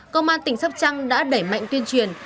công an tỉnh sắp trăng đã đẩy mạnh tuyên truyền